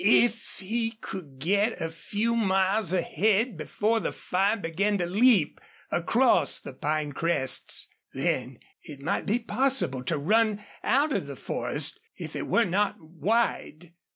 If he could get a few miles ahead, before the fire began to leap across the pine crests, then it might be possible to run out of the forest if it were not wide.